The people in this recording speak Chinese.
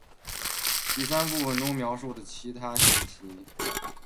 ·在第三部分中描述的其他信息。